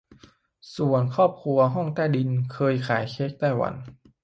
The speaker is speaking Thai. ส่วนครอบครัวห้องใต้ดิน เคยขายเค้กไต้หวัน